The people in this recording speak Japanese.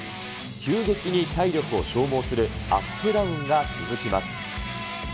急激に体力を消耗するアップダウンが続きます。